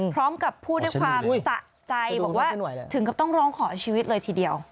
พร้อมกับพูดด้วยความสะใจบอกว่าถึงกับต้องร้องขอชีวิตเลยทีเดียว